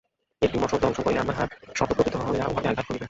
একটি মশক দংশন করিলে আমার হাত স্বতঃপ্রবৃত্ত হইয়া উহাকে আঘাত করিবে।